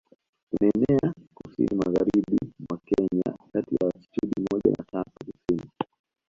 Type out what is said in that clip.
Inaenea kusini magharibi mwa Kenya kati ya latitude moja na tatu Kusini